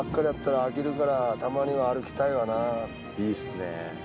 いいっすね。